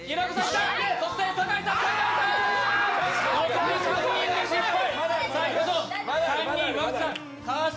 残り３人で失敗！